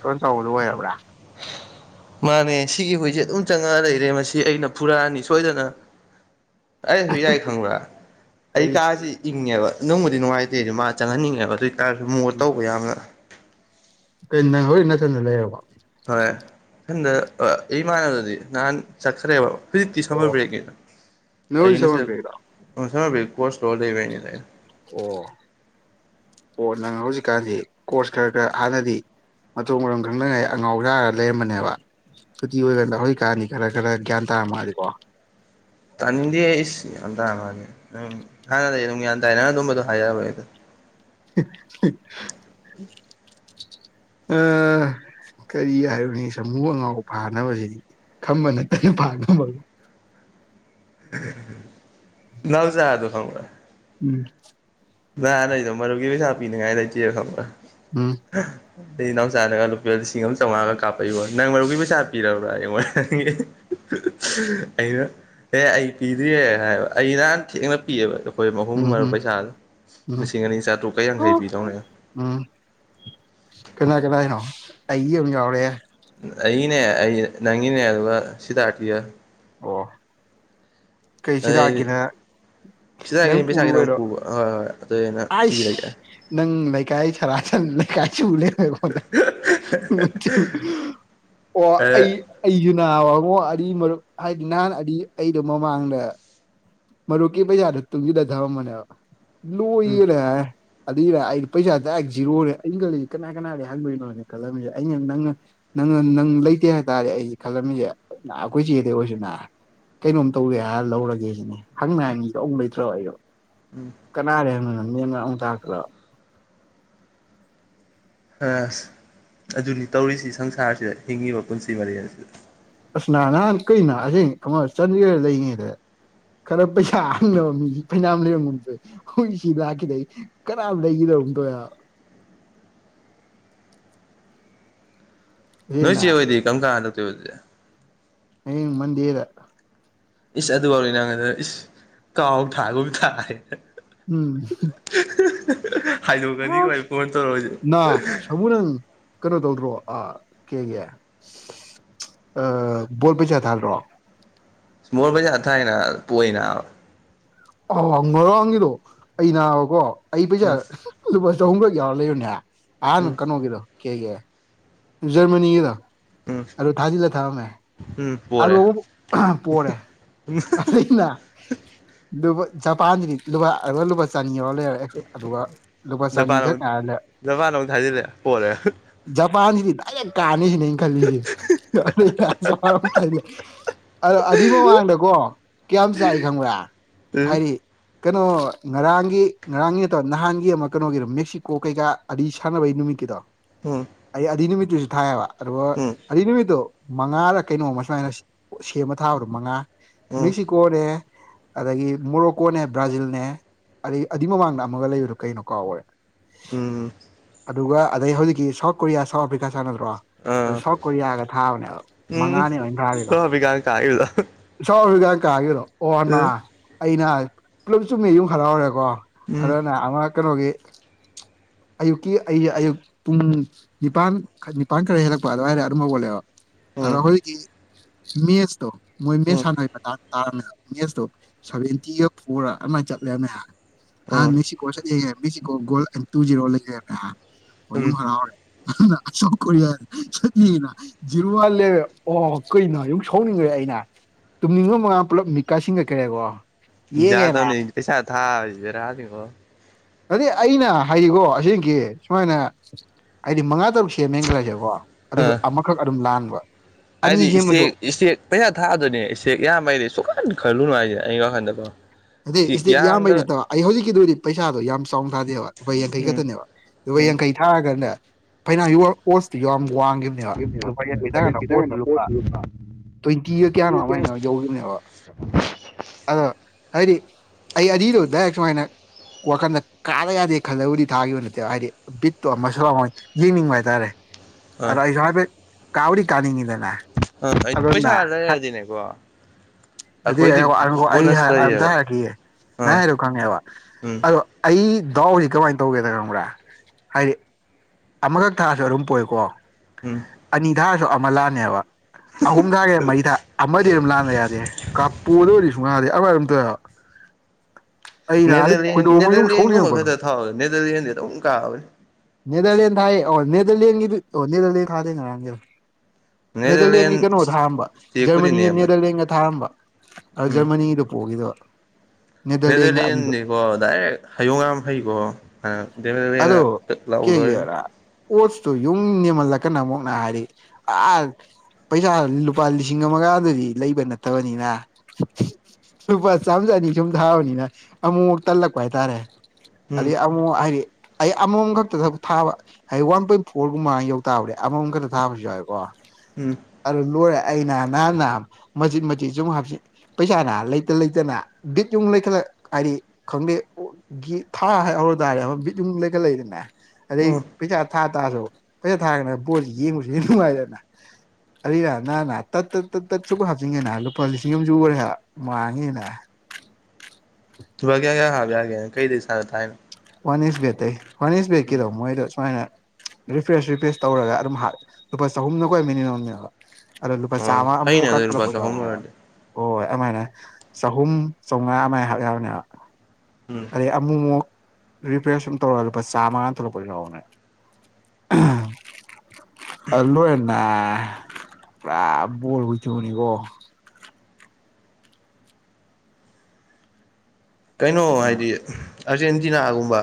ꯈꯔ ꯆꯧꯕꯗ ꯑꯣꯏ ꯔꯕ꯭ꯔ ꯃꯥꯅꯦ ꯁꯤꯒꯤ ꯍꯣꯏꯁꯦ ꯑꯗꯨꯝ ꯆꯪꯉꯛꯑ ꯂꯩꯔꯦ ꯃꯁꯤ ꯑꯩꯅ ꯐꯨꯔꯛꯑꯅꯤ ꯁꯣꯏꯗꯅ ꯑꯩ ꯍꯨꯏ ꯍꯥꯏ ꯈꯪꯕ꯭ꯔꯥ ꯑꯩ ꯀꯔꯤ ꯀꯥꯁꯤ ꯏꯪꯉꯦꯕ ꯅꯪꯕꯨꯗꯤ ꯅꯨꯡꯉꯥꯏꯇꯦꯗꯤ ꯃꯥ ꯆꯪꯍꯟꯅꯤꯡꯉꯦꯕ ꯑꯗꯨꯑꯣ ꯑꯣꯏꯇꯥꯔꯁꯨ ꯃꯣ ꯇꯧꯕ ꯌꯥꯝꯅ ꯀꯩꯟ ꯅꯪ ꯍ‌ꯩꯖꯤꯛ ꯅꯥꯊꯟ ꯂꯩ ꯌꯥꯎꯕ‌ꯣ ꯏꯊꯟꯗ ꯑꯩ ꯃꯥꯟꯅꯕꯗꯗꯤ ꯅꯍꯥꯟ ꯆꯠꯈ꯭ꯔꯦꯕ ꯍꯧꯖꯤꯛꯇꯤ ꯁꯃꯔ ꯑꯣ ꯕ꯭ꯔꯦꯛꯀꯤꯗ ꯅꯪ ꯍꯧꯖꯤꯛ ꯑꯩꯩꯅ ꯁꯝꯃꯔ ꯁꯤꯗ ꯕ꯭ꯔꯦꯛꯂꯣ ꯁꯝꯃꯔ ꯕ꯭ꯔꯦꯛ ꯀꯣꯔꯁ ꯂꯧꯧꯔꯒ ꯂꯩꯕ ꯍꯥꯏꯅꯤꯗ ꯑꯩꯅ ꯑꯣ ꯑꯣ ꯅꯪ ꯍꯧꯖꯤꯛꯀꯥꯟꯗꯤ ꯀꯣꯔꯁ ꯈꯔ ꯈꯔ ꯍꯥꯟꯅꯗꯤ ꯃꯇꯧ ꯃꯔꯝ ꯈꯪꯗꯅꯉꯩ ꯑꯉꯥꯎꯖꯥꯔꯒ ꯂꯩꯔꯝꯕꯅꯦꯕ ꯁꯨꯇꯤ ꯑꯣꯏꯔꯟꯗ ꯍꯣꯏ ꯀꯥꯅꯤ ꯈꯔ ꯈꯔ ꯒ꯭ꯌꯥꯟ ꯇꯥꯔꯝ ꯃꯥꯗꯤꯀꯣ ꯇꯥꯅꯤꯡꯗꯦ ꯑꯩ ꯌꯥꯝꯟ ꯇꯥ ꯃꯥꯅꯤ ꯍꯥꯟꯅꯗꯒꯤ ꯑꯗꯨꯝ ꯒ꯭ꯌꯥꯟ ꯇꯥꯏ ꯅꯪꯅ ꯑꯗꯨꯝꯕꯗꯣ ꯍꯥꯏꯖꯔꯕꯅꯤꯗ ꯑ ꯀꯔꯤ ꯍꯥꯏꯔꯨꯅꯤ ꯁꯥꯃꯨ ꯑꯉꯥꯎ ꯐꯥꯅꯕꯁꯤꯗꯤ ꯈꯝꯕ ꯅꯠꯇꯅ ꯐꯥꯅꯕꯗꯣ ꯅꯧꯖ ꯑꯗꯨ ꯐꯒ ꯎꯝ [unintelligible] ꯎꯝ ꯑꯗꯩ ꯏꯅꯥꯎꯆꯥꯅꯒ ꯂꯨꯄꯥ ꯂꯤꯁꯤꯡ ꯑꯃ ꯆꯥꯝꯃꯉꯥꯒ ꯀꯥꯞꯄꯏ ꯄꯣꯠꯅꯤ ꯅꯪ ꯃꯔꯨꯞꯒꯤ ꯄꯩꯁꯥ ꯄꯤꯔꯕ꯭ꯔꯥꯌꯦ ꯑꯩꯉꯣꯟꯗ ꯍꯪ ꯉꯛ ꯑꯦ ꯑꯩꯅ ꯑꯦ ꯑꯩ ꯄꯤꯗ꯭ꯔꯤꯦ ꯍꯥꯏꯕ ꯑꯩ ꯅꯍꯥꯟ ꯊꯦꯡꯅ ꯄꯤꯌꯦꯕ ꯑꯩꯈꯣꯏ ꯃꯍꯨꯝ ꯎꯝ ꯃꯔꯨ ꯎꯝ ꯄꯩꯁꯥꯗꯣ ꯂꯤꯁꯤꯡ ꯑꯅꯤ ꯆꯥꯇ꯭ꯔꯨꯛꯀ ꯌꯥꯡꯈꯩ ꯎꯝ ꯄꯤꯗꯧꯅꯦ ꯎꯝ ꯀꯅꯥ ꯀ ꯅꯣ ꯑꯩꯒꯤ ꯑꯝ ꯌꯥꯎꯔꯦ ꯑꯩꯅꯦ ꯑꯩ ꯅꯪꯒꯤꯅꯦ ꯑꯗꯨꯒ ꯁꯤꯗꯥꯔꯠ ꯀꯤꯒ ꯑꯣ ꯀꯩ ꯑꯗꯩꯗꯤ ꯁꯤꯗꯥꯛꯀꯤꯅ ꯅꯪ ꯁꯤꯗꯥꯔꯠꯀꯤ ꯄꯩꯁꯥ ꯄꯨꯔꯨꯑꯣ ꯈꯤꯇꯪ ꯑꯣꯏꯔꯣ ꯄꯨꯕ ꯍꯣꯏ ꯍꯣꯏ ꯑꯗꯨꯏ ꯑꯩꯅ ꯑꯏꯁ ꯄꯤꯔꯒꯦ ꯅꯪ ꯂ‌ꯦꯏꯀꯥꯏ ꯁꯔꯥ ꯁꯟ ꯂꯀꯥꯏꯁꯨ ꯂꯩꯔ‌ꯩ ꯑꯣ ꯑꯗ ꯑꯩꯖꯨ [unintelligible] ꯉꯣ ꯑ ꯃꯔꯨꯞ ꯍꯥꯏꯗꯤ ꯅꯍꯥꯟ ꯑ ꯑꯩꯗꯣ ꯃꯃꯥꯡꯗ ꯃꯔꯣ ꯀ ꯄ ꯌꯥꯗ ꯇꯨ ꯌꯗ ꯊꯕ ꯃꯅꯦ ꯂꯨ ꯏ ꯎꯝ ꯂꯩꯦ ꯑꯗꯨꯏꯔ ꯑꯩ ꯄꯩꯁꯥꯗ ꯖꯤꯔꯣꯣꯔꯦ ꯑꯩꯅ ꯈꯂꯁꯤ ꯀꯅꯥ ꯀꯅꯥꯔ ꯍꯪꯗꯣꯏꯅꯣꯅꯦ ꯈꯜꯂꯝꯃꯤꯁꯦ ꯑꯩꯅ ꯅꯪꯅ ꯅꯪ ꯅꯪ ꯂꯩꯇꯦ ꯍꯥꯏꯇꯥꯔꯦ ꯑꯩꯁꯦ ꯈꯜꯂꯝꯃꯤꯁꯦ ꯑꯩꯈꯣꯏ ꯆꯦꯗꯩ ꯑꯣꯏꯔꯁꯨꯅꯥ ꯀꯩꯅꯣꯝ ꯇꯧꯋꯦ ꯍꯥꯏꯔ ꯂꯧꯔꯒꯦ ꯁꯤꯅꯦ ꯍꯪꯅ ꯍꯥꯏꯅꯤꯉꯥꯏ ꯃꯤꯗ‌‌ꯖ ꯑꯃꯨꯛ ꯂꯩꯇ꯭ꯔꯕ ꯑꯩꯗꯣ ꯎꯝ ꯀꯅꯥꯗꯥ ꯍꯪꯗ‌ꯣꯅ‌ꯣ ꯃ‌ꯦꯟꯃꯥꯟ ꯑꯃꯨꯛ ꯇꯥꯛꯀ꯭ꯔꯕ ꯑꯁ ꯑꯗꯨꯅꯤ ꯇꯧꯔꯤꯁꯤ ꯁꯪꯁꯥꯔꯁꯤꯗ ꯍꯤꯡꯉꯤꯕ ꯄꯨꯟꯁꯤ ꯋꯥꯔꯤ ꯑꯁꯤꯗꯥ ꯅꯤ ꯅꯍꯥꯟ ꯀꯨꯏ ꯅꯁ ꯀꯃ ꯆꯟꯗꯤꯒꯔꯗꯥ ꯂꯩꯔꯤꯉꯩꯗꯥ ꯈꯔ ꯄꯩꯁꯥ ꯍꯪꯅꯕ ꯃꯤꯁꯤ ꯐꯩꯅꯥꯝ ꯂꯩꯔꯝꯒꯨꯝ ꯇꯧꯏ ꯍꯧꯈꯖꯤꯛ ꯁꯤ ꯂꯥꯛꯈꯤꯗꯩ ꯀꯅꯥꯝ ꯂꯩꯒꯗ [unintelligible] ꯅꯣꯏ ꯆꯋꯥꯣꯏꯗꯤ ꯀꯝꯀꯥꯟ ꯍꯜꯛꯇꯣꯏꯕ ꯍꯥꯏꯁꯦ ꯃꯟꯗꯤꯗ ꯏꯁ ꯑꯗꯨ ꯑꯣꯏꯔꯗꯤ ꯅꯪ ꯍꯟꯗꯛ ꯏꯁ ꯀꯥꯎ ꯊꯥꯒꯨꯝ ꯊꯥꯔ‌ꯦꯅ‌ ꯎꯝ [unintelligible] ꯑꯩ ꯐꯣꯟ ꯇꯧꯔꯛꯑꯣꯏꯁꯦ ꯅꯥ ꯁꯥꯃꯨ ꯅꯪ ꯀꯩꯅꯣ ꯇꯧꯗ꯭ꯔꯣ ꯑꯥ ꯀꯩꯍꯥꯏꯒꯔ‌ꯦ ꯑꯥ ꯕꯣꯜ ꯄꯩꯁꯥ ꯊꯗꯔꯣ ꯃꯣꯔ ꯃꯖꯥ ꯊꯥꯏꯅ ꯄꯏꯅ ꯑ ꯉꯔꯥꯡꯒꯤꯗꯣ ꯑ ꯅꯥꯕꯀꯣ ꯑꯩ ꯄꯩꯁꯥ ꯎꯝ ꯂꯨꯄꯥ ꯆꯍꯨꯝꯈꯛ ꯌꯥꯎꯔ ꯂꯩꯔꯨꯅꯦꯍ ꯑꯍꯥꯟꯕ ꯎꯝ ꯀꯩꯅꯣꯒꯤꯗꯣ ꯀꯦ ꯀ ꯖꯔꯃꯅꯤꯒꯤꯗꯣ ꯎꯝ ꯑꯂꯣ ꯊꯥꯖꯤꯂ ꯊꯥ ꯃ ꯎꯝ ꯄꯣꯔꯦ ꯍꯜꯂ‌ꯣ ꯄꯣꯔꯦ ꯑꯩꯅ ꯖꯄꯥꯟꯗꯗꯤ ꯂꯨꯄꯥꯒ ꯂꯨꯄꯥ ꯆꯥꯅꯤ ꯌꯥꯔ ꯂꯩꯔꯦ ꯑꯗꯨꯒ ꯂꯨꯄꯥ ꯆꯥꯅꯤ ꯈꯛꯥꯏꯔ ꯂꯩꯔꯦ ꯖꯄꯥꯟꯅ ꯑꯃꯨꯛ ꯊꯥꯖꯤꯜꯂꯦ ꯄꯣꯔꯦ ꯄꯥꯟꯁꯤꯗꯤ ꯂꯗꯥꯏꯦꯛ ꯀꯥꯅꯩꯁꯤꯅꯦ ꯑꯩꯅ ꯈꯜꯂꯤꯁꯦ ꯍꯥꯏꯗꯤ ꯑ ꯑꯗꯨꯏ ꯃꯃꯥꯡꯗꯀꯣ ꯀꯌꯥꯝ ꯆꯥꯏ ꯈꯪꯕ꯭ꯔꯥ ꯎꯝ ꯍꯥꯏꯔꯤ ꯀꯩꯅꯣ ꯉꯔꯥꯡꯒꯤ ꯉꯔꯥꯡꯒꯤ ꯅꯠꯇ꯭ꯔꯣ ꯅꯍꯥꯟꯒꯤ ꯑꯃ ꯀꯩꯅꯣꯒꯤꯗꯣ ꯃꯦꯛꯁꯤꯀꯣ ꯀꯩꯀꯥ ꯑꯗꯨꯏ ꯁꯥꯟꯅꯕꯩ ꯅꯨꯃꯤꯠꯀꯤꯗꯣ ꯎꯝ ꯑꯩ ꯑꯗꯨꯏ ꯅꯨꯃꯤꯠꯇꯨꯁꯨ ꯊꯥꯏꯑꯕ ꯑꯗꯨꯒ ꯎꯝ ꯑꯗꯨꯏ ꯅꯨꯃꯤꯠꯇꯨ ꯃꯉꯥꯗ ꯀꯩꯅꯣꯝꯃ ꯁꯨꯃꯥꯏꯅ ꯁꯦꯝꯕ ꯊꯥꯕꯗꯣ ꯃꯉꯥ ꯎꯝ ꯃꯦꯛꯁꯤꯀꯣꯅꯦꯦ ꯑꯗꯒꯤ ꯃꯣꯔꯣꯀꯣꯅꯦ ꯕ꯭ꯔꯥꯖꯤꯜꯅꯦ ꯑꯩ ꯑꯗꯨꯏ ꯃꯃꯥꯡꯗ ꯑꯃꯒ ꯂꯩꯕꯗꯣ ꯀꯩꯅꯣ ꯀꯥꯎꯈꯔꯦ ꯎꯝ ꯑꯗꯨꯒ ꯑꯗꯩ ꯍꯧꯖꯤꯛꯀꯤ ꯁꯥꯎꯠ ꯀꯣꯔꯤꯌꯥ ꯁꯥꯎꯠ ꯑꯐ꯭ꯔꯤꯀꯥ ꯔꯣ ꯑꯗꯨ ꯑꯥ ꯁꯥꯎꯠ ꯀꯣꯔꯤꯌꯥꯒ ꯊꯥꯕꯅꯦꯕ ꯎꯝ ꯃꯉꯥꯅꯤ [unintelligible] [unintelligible] ꯀꯥꯒꯦꯔꯣ ꯑꯣꯅꯥ ꯎꯝ ꯑꯩꯅ ꯄꯨꯂꯞ ꯆꯨꯝꯃꯤ ꯌꯨꯝ ꯍꯜꯂꯥꯎꯔꯦꯀꯣ ꯎꯝ ꯑꯗꯅꯦ ꯑꯃ ꯑ ꯀꯅꯣꯒꯤ ꯑꯌꯨꯛꯀꯤ ꯑꯩꯁꯦ ꯑꯌꯨꯛ ꯄꯨꯡ ꯅꯤꯄꯥꯟ ꯅꯤꯄꯥꯟ ꯈꯔ ꯍꯦꯜꯂꯛꯄ ꯑꯗꯨꯋꯥꯏꯔ ꯑꯗꯨꯝ ꯍꯧꯒꯠꯂꯦꯕ ꯑꯗꯣ ꯎꯝ ꯑꯩꯈꯣꯏꯒꯤ ꯃꯦꯁꯇꯣ ꯃꯣꯏ ꯃꯦꯁ ꯎꯝ ꯁꯥꯟꯅꯕꯩ ꯃꯇꯥꯡꯗ ꯇꯥꯟꯅ ꯃꯦꯁꯇꯣ ꯁꯚꯦꯟꯇꯤꯒ ꯐꯣꯔ ꯔ ꯑꯗꯨꯃꯥꯏꯅ ꯆꯠꯂꯦ ꯃꯌꯥꯝ ꯎꯝ ꯃꯦꯛꯁꯤꯀꯣ ꯆꯠꯅꯦ ꯃꯦꯛꯁꯤꯀꯣ ꯒꯣꯜ ꯇꯨ ꯖꯤꯔꯣ ꯂꯩꯔꯦꯕ ꯍꯧꯖꯤꯛ ꯎꯝ ꯌꯨꯝ ꯍꯔꯥꯎꯔꯦ [unintelligible] ꯁꯥꯎꯠ ꯀꯣꯔꯤꯌꯥ [unintelligible] ꯀꯩꯅꯣ ꯌꯧ ꯁꯥꯎꯅꯤꯡꯈ꯭ꯔꯦ ꯑꯩꯅ ꯇꯨꯝꯅꯤꯡꯕ ꯃꯉꯥꯟ ꯄꯨꯜꯂꯞ ꯃꯤꯠ ꯀꯥꯏ ꯁꯤꯟ ꯀꯠꯈ꯭ꯔꯦꯀꯣ ꯌꯥꯗꯝꯅꯤ ꯄꯩꯁꯥ ꯊꯥꯕꯁꯤ ꯕꯦꯔꯥ ꯅꯤꯉꯣ ꯑꯗꯨꯗꯤ ꯑꯩꯅ ꯍꯥꯏꯌꯦꯀꯣ ꯑꯁꯦꯡꯀꯤ ꯁꯨꯃꯥꯏꯅ ꯍꯥꯏꯗꯤ ꯃꯉꯥ ꯇꯔꯨꯛ ꯁꯦꯝꯃꯦꯅ ꯈꯜꯂꯁꯦꯀꯣ ꯑꯗꯨꯁꯨ ꯑꯥ ꯑꯃꯈꯛ ꯑꯗꯨꯝ ꯂꯥꯟꯕ ꯑꯅꯤ ꯍꯥꯏꯗꯤ ꯁꯦꯝꯃꯁꯨ ꯏꯁꯇꯦꯛ ꯏꯁꯇꯦꯛ ꯄꯩꯁꯥ ꯊꯥꯗꯣꯏꯅꯦ ꯏꯁꯇꯦꯛ ꯌꯥꯝꯕꯩꯗꯤ ꯁꯨꯈꯟ ꯈꯜꯂꯨꯅꯨ ꯍꯥꯏꯁꯦ ꯑꯩꯉꯣ ꯍꯟꯗꯕ ꯑꯗ ꯁꯤꯗꯤ ꯏꯌꯥꯝꯕꯩ ꯅꯠꯇꯕ ꯑꯩ ꯍꯧꯖꯤꯛꯀꯤꯗꯨꯗꯤ ꯁꯥꯗꯣ ꯌꯥꯝ ꯆꯥꯎꯅ ꯊꯥꯗꯦꯕ ꯂꯨꯄꯥ ꯌꯥꯡꯈꯩ ꯎꯝ ꯈꯛꯇꯅꯦꯕ ꯂꯨꯄꯥ ꯎꯝ ꯌꯥꯡꯈꯩ ꯊꯥꯔꯒꯅꯦ ꯐꯅ ꯑꯣꯁꯇꯨ ꯌꯥꯝ ꯋꯥꯡꯈꯤꯕꯅꯦꯕ ꯂꯨꯄꯥ ꯌꯦꯟ ꯄꯤ ꯇꯔꯀꯥꯟꯗ ꯑꯣꯁꯇꯨ ꯂꯨꯄꯥ ꯍꯣꯏ ꯇ꯭ꯋꯦꯟꯇꯤꯒ ꯀꯌꯥꯅꯣ ꯑꯗꯨꯃꯥꯏꯅ ꯌꯧꯔꯤꯕꯅꯦꯕ ꯑꯗ ꯍꯥꯏꯗꯤ ꯑꯩ ꯑꯅꯤꯗꯣ ꯗꯥꯏꯔꯦꯛ ꯁꯨꯃꯥꯏꯅ ꯋꯥꯈꯟꯗ ꯀꯥꯗ ꯌꯥꯗꯦ ꯈꯜꯂꯕꯨꯗꯤ ꯊꯥꯈꯤꯕ ꯅꯠꯇꯦꯕ ꯍꯥꯏꯗꯤ ꯕꯤꯠꯇꯣ ꯑꯃꯁꯨ ꯌꯦꯡꯅꯤꯡꯕ ꯍꯥꯏꯇꯥꯔꯦ ꯑ ꯑꯥ ꯑꯩ ꯁꯕ ꯀꯥꯎꯔꯤ ꯀꯥꯟꯅꯤꯅꯤꯗꯅꯤ ꯑꯥ ꯑꯩ ꯑꯗꯨꯅ ꯄꯩꯁꯥ ꯂꯩꯔꯗꯤꯅꯦꯀꯣ ꯑꯩꯈꯣꯏꯗꯤ ꯑꯗꯨ ꯑꯩ ꯕꯣꯅꯁ ꯑꯝꯇ ꯂꯩꯌꯦꯕ ꯍꯥꯏꯔꯛꯈꯤꯑꯦ ꯅ ꯑꯥ ꯍꯥꯏꯔꯣ ꯈꯪꯉꯦꯕ ꯎꯝ ꯑꯗꯣ ꯑꯩ ꯗꯥꯎꯁꯤ ꯀꯃꯥꯏꯅ ꯇꯧꯒꯦꯗ ꯈꯪꯕ꯭ꯔꯥ ꯍꯥꯏꯗꯤ ꯑꯃꯈꯛ ꯊꯥꯔꯁꯨ ꯑꯗꯨꯝ ꯄꯣꯏꯀꯣ ꯎꯝ ꯑꯅꯤ ꯊꯥꯔꯁꯨ ꯑꯃ ꯂꯥꯛꯑꯅꯦꯕ [unintelligible] ꯑꯩꯅ ꯅꯦꯗꯔꯂꯦꯟ ꯈꯣꯏꯗꯧ ꯑꯃ ꯌꯨꯡ ꯅꯦꯗꯔꯂꯦꯟꯒꯨꯝꯕ ꯁꯧꯅꯤꯡꯉꯛꯄꯗꯣ ꯈꯛꯇ ꯊꯥꯎ ꯅꯦꯗꯔꯂꯦꯟꯗꯤ ꯑꯃꯝ ꯀꯥꯕꯅꯦ ꯅꯦꯗꯔꯂ ꯊ ꯅꯦꯗꯔꯂꯦꯟꯒꯤ ꯅꯦꯗꯔꯂꯦꯟ ꯊꯥꯗꯦꯅ ꯅꯦꯗꯔꯂꯦꯟ ꯅꯦꯗꯔꯂꯦꯟꯒꯤ ꯀꯩꯅꯣ ꯊꯥꯔꯝꯕ ꯏꯁꯇꯦꯛꯄꯨꯗꯤ ꯖꯔꯃꯅꯤꯒ ꯅꯦꯝꯕꯅꯤ ꯅꯦꯗꯔꯂꯦꯟꯒ ꯊꯥꯔꯝꯕ ꯑꯗ ꯖꯔꯃꯅꯤ ꯗꯨ ꯄꯣꯒꯤꯗꯕ ꯅꯦꯗꯔꯂꯦꯟꯅꯤꯀꯣ ꯗꯥꯏꯔꯦꯛ ꯍꯌꯣꯉ ꯍꯩꯀꯣ ꯅꯦꯗꯔꯂꯦꯟ ꯑ ꯑꯗꯣ [unintelligible] ꯄꯩꯁꯥ ꯂꯨꯄꯥ ꯂꯤꯁꯤꯡ ꯑꯃꯒꯗꯨꯗꯤ ꯂꯩꯕ ꯅꯠꯇꯕꯅꯤꯅ ꯂꯨꯄꯥ ꯆꯥꯝ ꯆ ꯑꯅꯤ ꯁꯨꯝ ꯊꯥꯕꯅꯤꯅ ꯑꯃꯨꯛꯃꯨꯛ ꯇꯜꯂꯛꯄ ꯍꯥꯏꯇꯥꯔꯦ ꯑ ꯎꯝ ꯑꯃꯣ ꯍꯥꯏꯗꯤ ꯑꯩ ꯑꯃꯨꯝ ꯈꯛꯇ ꯊꯥꯕ ꯍꯥꯏꯗꯤ ꯋꯥꯟ ꯄꯣꯏꯟ ꯐꯣꯔꯒꯨꯝꯕ ꯌꯧ ꯇꯥꯕꯅꯦ ꯑꯃꯃꯝ ꯈꯛꯇ ꯊꯥꯕꯁꯨ ꯌꯥꯎꯏꯀꯣ ꯎꯝ ꯑꯔ ꯂꯣꯔꯦ ꯑꯩꯅ ꯅꯍꯥꯟꯟꯅ ꯃꯆꯤꯠ ꯃꯆꯤꯠ ꯁꯨꯝ ꯍꯥꯞ ꯄꯩꯁꯥꯅ ꯂꯩꯇ ꯂꯩꯇꯅ ꯕꯤꯠ ꯌꯨꯝ ꯂꯩꯈꯠꯂꯛ ꯍꯥꯏꯗꯤ ꯈꯪꯗꯦ ꯒꯤ ꯊꯥ ꯍꯧꯔ ꯇꯥꯔꯦ ꯑꯃ ꯕꯤꯠ ꯌꯨꯡ ꯂꯩꯈꯠ ꯂꯛꯏꯗꯅꯦ ꯑꯗꯩ ꯎꯝ ꯄꯩꯁꯥ ꯊꯥ ꯇꯥꯔꯁꯨ ꯄꯩꯁꯥ ꯊꯥꯒꯅ ꯕꯣꯠꯁꯤ ꯌꯦꯡꯕꯁꯨ ꯌꯥꯝ ꯅꯨꯡꯉꯥꯏꯗꯅ ꯑꯔꯤꯔ ꯅꯍ ꯇꯠ ꯇꯠ ꯇꯠ ꯇꯠ ꯁꯨ ꯍꯥꯞꯆꯤꯟꯒꯦꯅ ꯂꯨꯄꯥ ꯂꯤꯁꯤꯡ ꯑꯝ ꯁꯨꯒꯔ‌ꯦ ꯍꯥꯏꯕ ꯃꯥꯡꯉꯤ ꯁꯤ ꯅ [unintelligible] ꯂꯨꯄꯥ ꯀꯌꯥ ꯀꯌꯥ ꯍꯥꯞ ꯌꯥꯒ‌ꯦ ꯅꯪ ꯀꯩꯗꯩ ꯆꯪ ꯊꯥꯏꯅ‌ꯣ ꯋꯥꯟ ꯏꯁꯁ ꯕꯦꯠꯇꯩ ꯋꯥꯟ ꯏꯁ ꯕꯦꯒꯀꯤꯗꯣ ꯃꯣꯏꯗꯣ ꯁꯨꯃꯥꯏꯅ ꯔꯤꯐ꯭ꯔꯦꯁ ꯔꯤꯐ꯭ꯔꯦꯁ ꯇꯧꯔꯒ ꯑꯗꯨꯝ ꯂꯨꯄꯥ ꯆꯍꯨꯝꯅ ꯈꯣꯏ ꯃꯤꯅꯤꯃꯝꯅꯦꯕ ꯑꯗ‌ꯣ ꯂꯨꯄꯥ ꯑꯣ ꯆꯥꯝꯃ ꯑꯃꯨꯛ ꯐꯩꯅꯦ ꯀꯩ ꯑꯗꯨ ꯂꯨꯄꯥ ꯊ‌ꯣꯛꯂꯛꯄ ꯆꯍꯨꯝ ꯌꯥꯎꯕꯅ‌ꯦꯕ ꯑꯣꯏꯔꯗꯤ ꯍꯣꯏ ꯍꯣꯏ ꯑꯗꯨꯃꯥꯏꯅ ꯆꯍꯨꯝ ꯆꯥꯎꯉꯥ ꯑꯃꯥꯏꯅ ꯍꯥꯞ ꯌꯥꯕꯅꯦꯕ ꯎꯝ ꯑꯗꯩ ꯑꯃꯨꯛꯃꯨꯛ ꯔꯤꯄꯌꯔ ꯁꯨꯝ ꯇꯧꯔꯒ ꯂꯨꯄꯥ ꯆꯥꯝꯃꯉꯥ ꯊꯣꯛꯂꯛꯄ ꯂꯥꯛꯑꯣꯅꯦ ꯑ ꯂꯣꯏꯟꯅ ꯄꯨꯔꯥ ꯕꯣꯔ ꯍꯨꯏꯊꯨꯅꯤꯀ‌ꯣ ꯆꯅꯤꯀꯣ ꯀꯩꯅꯣ ꯎꯝ ꯍꯥꯏꯗꯤ ꯑꯔꯖꯦꯟꯇꯤꯅꯥꯒꯨꯝꯕ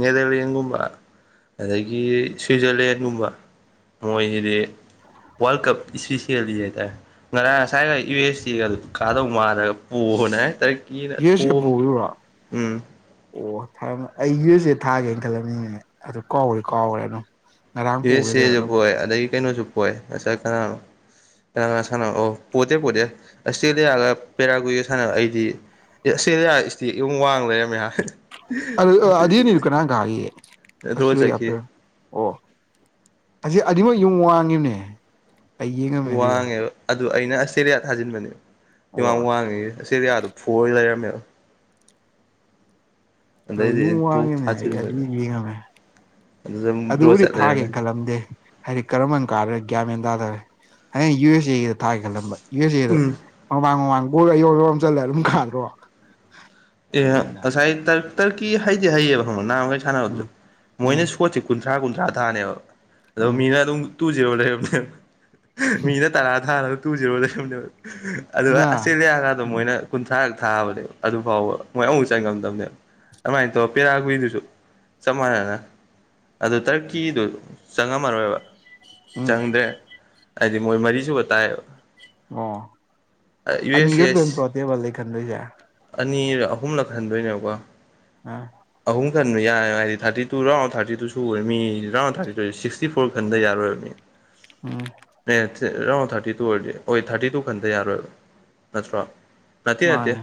ꯅꯦꯗꯔꯂꯦꯟꯒꯨꯝꯕ ꯑꯗꯒꯤ ꯁ꯭ꯋꯤꯖꯔꯂꯦꯟꯒꯨꯝꯕ ꯃꯣꯏꯁꯤꯗꯤ ꯋꯥꯔꯜ ꯀꯞ ꯏꯁꯂꯤꯄꯤꯁꯌꯂꯤ ꯍꯥꯏ ꯇꯥꯏ ꯉꯔꯥꯡ ꯉꯁꯥꯏꯒ ꯌꯨ ꯑꯦꯁ ꯑꯦꯒ ꯑꯗꯨ ꯀꯥꯗꯧ ꯃꯥꯜꯂꯒ ꯄꯣꯕꯅꯤ ꯍꯥꯏ ꯇꯔꯛꯀꯤꯅ ꯊꯣꯑꯝ ꯇꯔ ꯑꯣ ꯊꯥꯔꯝꯃꯦ ꯑꯩ ꯌꯨ ꯑꯦꯁ ꯑꯦ ꯊꯥꯒꯦꯅ ꯈꯜꯂꯝꯃꯤꯅꯦ ꯑꯗꯨ ꯀꯥꯎꯕꯨꯗꯤ ꯀꯥꯎꯒꯔꯦ ꯑꯗꯨꯝ ꯉꯔꯥꯡ ꯄꯣꯒꯤꯗꯨꯗ ꯌꯨꯑꯦꯆ‌ꯑꯦꯁꯨ ꯑꯗꯨꯝ ꯄꯣꯏ ꯑꯗꯒꯤ ꯀꯩꯅꯣꯁꯨ ꯄꯣꯏ ꯉꯁꯥꯏ ꯀꯅꯥꯅꯣ ꯀꯅꯥ ꯀꯅꯥꯒ ꯁꯥꯟꯅ ꯑꯣ ꯄꯣꯠꯇꯦ ꯄꯣꯠꯇꯦ ꯑꯁꯇ꯭ꯔꯦꯂꯤꯌꯥꯒ ꯄꯦꯔꯥꯒꯏ ꯁꯥꯟꯅ ꯑꯩꯗꯤ ꯑꯦ ꯑꯁꯇ꯭ꯔꯂꯤꯌꯥ ꯏꯁꯇꯦꯛ ꯌꯨꯡ ꯋꯥꯡ ꯂꯩꯔꯝꯃꯦꯍ ꯑꯗꯨ ꯑꯗꯨꯅꯤꯗꯨ ꯀꯅꯥ ꯀꯥꯒꯤ ꯒ‌ꯦ ꯗ꯭ꯔꯣ ꯑꯁꯇ꯭ꯔꯤꯌꯥ ꯆꯠꯈꯤ ꯄ‌ꯦꯔꯨ ꯑꯣ ꯑꯁꯤ ꯑꯗꯨꯅꯤꯃꯛ ꯌꯨꯡ ꯋꯥꯡꯒꯤꯝꯅꯦ ꯑꯩ ꯌꯦꯡꯉꯝꯃꯦ ꯑꯗꯨꯩꯗ ꯋꯥꯡꯉꯦꯕ ꯑꯗꯨ ꯑꯩꯅ ꯑꯁꯇ꯭ꯔꯦꯂꯤꯌꯥ ꯊꯥꯖꯤꯟꯕꯅꯦ ꯌꯨꯡ ꯌꯥꯝ ꯑꯣ ꯋꯥꯡꯉꯒꯤ ꯑꯁꯇꯦꯔꯤꯂꯤꯌꯥꯗꯨ ꯐ‌ꯣꯔ ꯂꯩꯔꯝꯃꯦꯕ ꯑꯗꯩꯗꯤ ꯌꯨꯝ ꯑꯩꯅ ꯇꯣꯛ ꯋꯥꯡꯉꯤꯅꯦ ꯑꯩ ꯑꯗꯨ ꯊꯥꯖꯤꯟꯕꯅꯦ ꯌꯦꯡꯉꯝꯃꯦ ꯑꯗꯨꯗ ꯗ꯭ꯔꯣ ꯑꯗꯨꯕꯨꯗꯤ ꯆꯠ ꯊꯥꯒꯦ ꯂꯩꯔꯝꯃꯦ ꯈꯜꯂꯝꯗꯦ ꯍꯥꯏꯗꯤ ꯀꯔꯝꯕꯟ ꯀꯥꯗ‌ꯣꯏꯟ ꯒ꯭ꯌꯥꯟꯃꯦꯟ ꯔꯦ ꯍꯌꯦꯡ ꯌꯨ ꯑꯦꯐ ꯁꯤꯒꯤꯗ ꯊꯥꯒꯦ ꯈꯜꯂꯝꯕ ꯌꯨ ꯑꯦꯐ ꯁꯤꯒꯤꯗꯨ ꯎꯝ ꯃꯃꯥꯡ ꯃꯃꯥꯡ ꯕꯣꯏꯒ ꯑꯌꯣꯟꯕꯣꯝ ꯆꯜꯂꯦ ꯑꯗꯨꯝ ꯈꯥꯜꯂ꯭ꯔꯣ ꯑꯦ ꯉꯁꯥꯏ ꯇꯔꯀꯤ ꯍꯩꯗꯤ ꯍꯩꯌꯦꯕ ꯈꯪ ꯅꯍꯥꯟꯃꯈꯩ ꯁꯥꯟꯅꯕꯗꯁꯨ ꯎꯝ ꯎꯝ ꯃꯣꯏꯅ ꯁꯣꯠꯁꯦ ꯀꯨ ꯀꯨꯟꯊ꯭ꯔꯥ ꯀꯨꯟꯊ꯭ꯔꯥ ꯊꯥꯅꯦꯕ ꯑꯗꯣ ꯎꯝ ꯃꯤꯅ ꯑꯗꯨꯝ ꯇꯨ ꯖꯦꯔꯣ ꯂꯩꯔꯝꯅꯦꯕ ꯃꯤꯅ ꯇꯔꯥ ꯊꯥꯔ ꯇꯨ ꯖꯤꯔꯣ ꯂꯩꯔꯝꯅꯦꯕ ꯑꯗꯨꯒ ꯅ ꯑꯆꯇꯔ‌ꯦꯂꯤꯌꯥꯒꯗ ꯎꯝ ꯃꯣꯏꯅ ꯀꯨꯟꯊ꯭ꯔꯥ ꯊꯥꯕꯅꯦ ꯑꯗꯨ ꯐꯥꯎꯕ ꯃꯣꯏ ꯑꯃꯨꯛ ꯆꯪꯉꯝꯗꯕꯅꯦꯕ ꯑꯗꯨꯃꯥꯏꯅ ꯇꯧꯔ ꯄꯦꯔꯥ ꯀꯨꯏꯗꯨꯁꯨ ꯆꯞ ꯃꯥꯟꯅꯅ ꯑꯗꯨ ꯇꯔꯛꯀꯤꯗꯨ ꯆꯪꯉꯝꯃꯔꯣꯏꯕ ꯎꯝ ꯆꯪꯗ꯭ꯔꯦ ꯍꯥꯏꯗꯤ ꯃꯣꯏ ꯃꯔꯤ ꯁꯨꯕ ꯇꯥꯏꯌ‌ꯦꯕ ꯑꯣ ꯑꯅꯤ ꯈꯛꯇ ꯑꯦꯁ ꯅꯠꯇ꯭ꯔ‌ꯣ ꯇ‌ꯦꯕꯜꯗꯩ ꯈꯟꯗ‌ꯣꯏꯁ‌ꯦ ꯑꯅꯤꯔ ꯑꯍꯨꯝꯂꯛ ꯈꯟꯗꯣꯏꯅꯦꯕꯀꯣ ꯑꯥ ꯑꯍꯨꯝ ꯈꯟꯕ ꯌꯥꯏꯔ ꯍꯥꯏꯗꯤ thirty two round of thirty ꯇꯨꯁꯨ ꯑꯣꯏꯔ ꯃꯤ round thirty two sixty four ꯈꯟꯗ ꯌꯥꯔꯣꯏꯔꯕ ꯃꯤ ꯎꯝ ꯑꯦ ꯑꯦꯔꯥꯎꯟ ꯊꯥꯔꯇꯤ ꯇꯨ ꯑꯣꯏꯔꯗꯤ ꯍꯣꯏ ꯊꯥꯔꯇꯤ ꯇꯨ ꯈꯟꯗ ꯌꯥꯔꯣꯏꯕ ꯅꯠꯇ꯭ꯔꯣ ꯅꯠꯇ‌ꯦ ꯅꯠꯇ‌ꯦ ꯃꯥꯅꯦ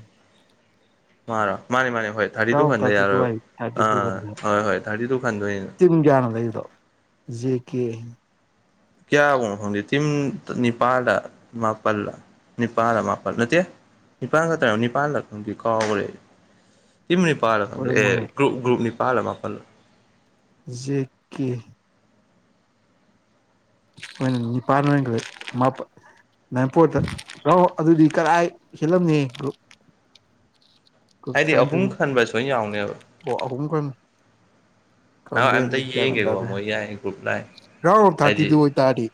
ꯃꯥꯔ‌ꯣ ꯃꯥꯅꯤ ꯃꯥꯅꯤ ꯍꯣꯏ ꯊꯥꯔꯇꯤ ꯇꯨ ꯔꯥꯎꯟ ꯈꯟꯗ ꯇꯨ ꯌꯥꯔꯣꯏ ꯍꯥꯏ ꯊꯥꯔꯇꯤ ꯇꯨ ꯑꯥ ꯈꯟꯗꯣꯏ ꯍꯣꯏ ꯍꯣꯏ ꯊꯥꯔꯇꯤ ꯇꯨ ꯈꯟꯗꯣꯏꯅ ꯇꯤꯝ ꯀꯌꯥꯅꯣ ꯂꯩꯔꯤꯗꯣ ꯖꯦ ꯀꯦ ꯀꯌꯥ ꯕ‌ꯣꯡꯅ‌ꯣ ꯈꯪꯗ‌ꯦ ꯇꯤꯝ ꯅꯤꯄꯥꯥꯜꯂ ꯃꯥꯄꯜꯂ ꯅꯤꯄꯥꯜꯗ ꯃꯥꯄꯜ ꯅꯠꯇꯦ ꯅꯤꯄꯥꯜ ꯈ ꯇꯥ ꯅꯤꯄꯥꯜꯗ ꯈꯪꯗꯤ ꯀꯥꯎꯈꯔꯦ ꯇꯤꯝ ꯅꯤꯄꯥꯜꯂ ꯈꯪꯗꯦ ꯑꯦ ꯑꯣꯏꯔꯝꯃꯣꯏꯍꯦ ꯒ꯭ꯔꯨꯞ ꯒ꯭ꯔꯨꯞꯅꯤ ꯅꯤꯄꯥꯜꯂ ꯃꯥꯄꯜꯂ ꯖ‌ꯦ ꯀ‌ꯦ ꯍ‌ꯣꯏꯅ‌ꯦ ꯅꯤꯄꯥꯟ ꯑꯣꯏꯅ ꯊ‌ꯣꯛ ꯃꯄꯨ ꯅꯪ ꯄ‌ꯣꯠꯇ ꯇꯥꯎꯟ ꯑꯣꯐ ꯑꯗꯨꯗꯤ ꯀꯗꯥꯥꯏ ꯍ‌ꯦꯜꯂꯝꯅꯤ ꯒ꯭ꯔꯨꯞ ꯍꯥꯏꯗꯤ ꯑꯍꯨꯝ ꯇꯔ‌ꯏꯟꯊ‌ꯣꯏꯃꯨꯛ ꯈꯟꯕ ꯁꯣꯏꯅ ꯌꯥꯎꯅꯦꯕ ꯑꯣ ꯑꯍꯨꯝ ꯈꯟ ꯑ ꯑꯝꯇ ꯌꯦꯡꯒꯦꯀꯣ ꯃꯣꯏ ꯌꯥꯏ ꯒ꯭ꯔꯨꯞ ꯂꯥꯏ ꯈꯩ ꯍꯥꯏꯗꯤ ꯗꯨ ꯑꯣꯏ ꯇꯥꯔꯗꯤ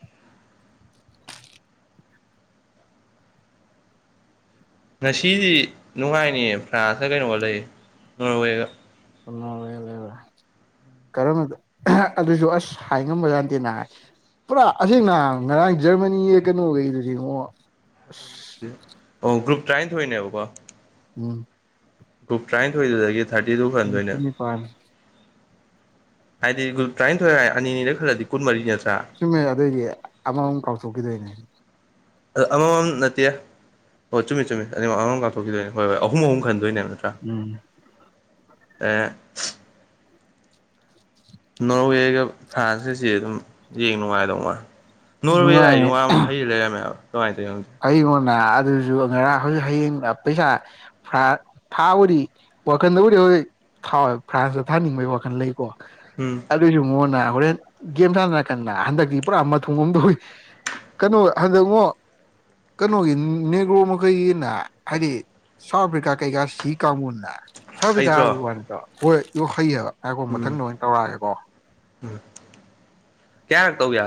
ꯉꯁꯤꯗꯤ ꯅꯨꯡꯉꯥꯏꯅꯤꯌꯦ ꯐ꯭ꯔꯥꯟꯁꯀ ꯀꯩꯅꯣꯒ ꯂꯩ ꯅꯣꯔꯋꯦꯒ ꯑꯗꯨꯣꯔꯦꯔ ꯀꯔꯝꯕ ꯑꯗꯨꯁꯨ ꯑꯁ ꯍꯥꯏꯉꯝꯕ ꯌꯥꯗꯦꯅ ꯍꯥꯏ ꯄꯨꯔꯥ ꯑꯁꯦꯡꯅꯍ ꯉꯔꯥꯡ ꯖꯔꯃꯅꯤꯒ ꯀꯩꯅꯣꯈꯩꯗꯨ ꯌꯦꯡꯉꯣ ꯑꯁ ꯑꯣ ꯒꯔꯨꯞ ꯇ꯭ꯔꯥꯏꯅꯤ ꯊꯣꯛꯅꯦꯕꯀꯣ ꯎꯝ ꯨꯒꯔꯨꯞ ꯇꯔꯥꯅꯤꯊꯣꯏꯗꯨꯗꯒꯤ ꯊꯥꯔꯇꯤ ꯇꯨ ꯅꯤꯐꯨ ꯈꯟꯗꯣꯏꯅꯦ ꯅꯤꯄꯥꯟ ꯍꯥꯏꯗꯤ ꯒꯨꯞ ꯇꯔꯥꯅꯤꯊꯣꯏ ꯑꯅꯤꯔ ꯈꯜꯂꯗꯤ ꯀꯨꯟ ꯃꯔꯤꯅꯤ ꯆꯨꯝꯃꯦ ꯑꯗꯨꯏꯗꯤ ꯑꯃꯃꯝ ꯀꯥꯎꯊꯣꯛꯈꯤꯗꯣꯏꯅꯦ ꯑꯗꯣ ꯑꯃꯃꯝ ꯅꯠꯇꯦ ꯑꯣ ꯆꯨꯝꯃꯤ ꯆꯨꯝꯃꯤ ꯑꯅꯤꯃ ꯑꯃꯃꯝ ꯀꯥꯞꯊꯣꯛꯈꯤꯗꯣꯏꯅꯦ ꯍꯣꯏ ꯍꯣꯏ ꯑꯍꯨꯝ ꯑꯍꯨꯝ ꯈꯟꯗꯣꯏꯅꯦꯕ ꯅꯠꯇ꯭ꯔꯥ ꯎꯝ ꯑꯦ ꯅꯣꯔꯋꯦꯒ ꯐ꯭ꯔꯥꯟꯁꯀꯁꯤ ꯑꯗꯨꯝ ꯌꯦꯡ ꯅꯨꯡꯉꯥꯏꯗꯧ ꯃꯥ ꯅ‌ꯣꯔꯋ‌ꯦꯔꯥꯏ ꯅꯨꯡꯉꯥꯏ ꯌ‌ꯣꯌꯥꯝ ꯍꯩ ꯂꯩꯔꯝꯃꯦ ꯍꯥꯏꯕ ꯀꯃꯥꯏ ꯇꯧꯔꯤꯅ‌ꯣ ꯈꯪꯗ‌ꯦ ꯑꯩꯉꯣꯟꯅ ꯑꯗꯨꯁꯨ ꯉꯔꯥꯡ ꯍꯧꯖꯤꯛ ꯍꯌꯦꯡ ꯄꯩꯁꯥ ꯐꯥꯕꯗꯤ ꯋꯥꯈꯟꯗꯕꯨꯗꯤ ꯍꯧꯖꯤꯛ ꯊꯥꯎꯋꯦ ꯐ꯭ꯔꯥꯟꯁꯇ ꯊꯥꯅꯤꯡꯕꯒꯤ ꯋꯥꯈꯜ ꯂꯩꯀꯣ ꯎꯝ ꯑꯗꯨꯏꯁꯨ ꯃꯉꯛꯅ ꯍꯣꯔꯦꯟ ꯒꯦꯝ ꯁꯥꯟꯅꯔꯀꯥꯟꯗ ꯍꯟꯗꯛꯇꯤ ꯄꯨꯔꯥ ꯃꯊꯣꯡ ꯑꯃ ꯇꯧꯏ ꯀꯩꯅꯣ ꯍꯟꯗꯛꯉ‌ꯣ ꯀꯩꯅꯣꯒꯤ ꯅꯦꯒ꯭ꯔꯣ ꯃꯈꯩꯒꯤ ꯅ ꯍꯥꯏꯗꯤ ꯁꯥꯎꯠ ꯑꯐ꯭ꯔꯤꯀꯥ ꯀꯩꯀꯥ ꯁꯤ ꯀꯥꯡꯕꯨꯨꯟꯅ ꯁꯥꯎꯠ ꯑꯐ꯭ꯔꯤꯀꯥ ꯋꯥ ꯍꯩꯇ꯭ꯔꯣ ꯈꯛ ꯐꯠꯇꯕ ꯍ‌ꯣꯏ ꯌꯨꯡ ꯍꯩ ꯍꯥꯏꯕ ꯑꯩꯈꯣ ꯎꯝ ꯃꯊꯪ ꯑꯣꯏꯅ ꯇꯧꯔꯛꯒꯦꯀꯣ ꯎꯝ ꯀꯌꯥꯔꯛ ꯇꯧ ꯌꯥ